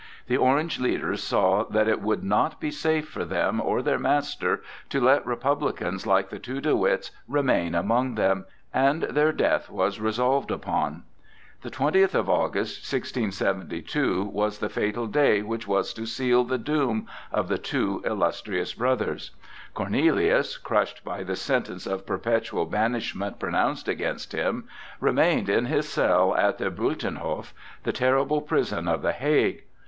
The Orange leaders saw that it would not be safe for them or their master to let republicans like the two De Witts remain among them, and their death was resolved upon. The twentieth of August, 1672, was the fatal day which was to seal the doom of the two illustrious brothers. Cornelius, crushed by the sentence of perpetual banishment pronounced against him, remained in his cell at the Buitenhof, the terrible prison of the Hague.